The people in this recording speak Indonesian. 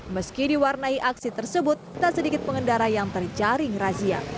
meski diwarnai aksi tersebut tak sedikit pengendara yang terjaring razia